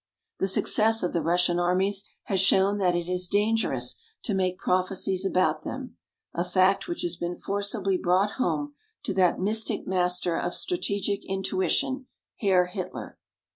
The success of the Russian armies has shown that it is dangerous to make prophecies about them a fact which has been forcibly brought home to that mystic master of strategic intuition, Herr Hitler.